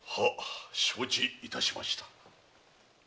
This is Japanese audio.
承知致しました。